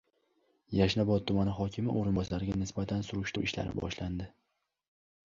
Yashnobod tuman hokimi o‘rinbosariga nisbatan surishtiruv ishlari boshlandi